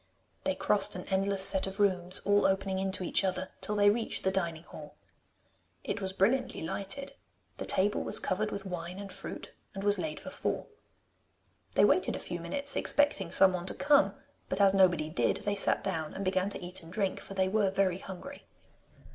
They crossed an endless set of rooms, all opening into each other, till they reached the dining hall. It was brilliantly lighted; the table was covered with wine and fruit, and was laid for four. They waited a few minutes expecting someone to come, but as nobody did, they sat down and began to eat and drink, for they were very hungry.